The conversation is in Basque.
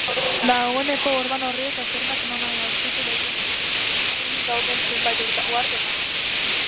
Dagoeneko orban horren aztarnak nonahi aurkitu daitezke kostaldetik hurbil dauden zenbait uhartetan.